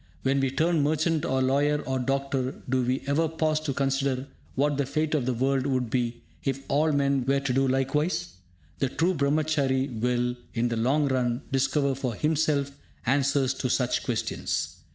When we turn merchant or lawyer or doctor, do we ever pause to consider what the fate of the world would be if all men were to do likewise? The true Brahmachary will, in the long run, discover for himself answers to such questions.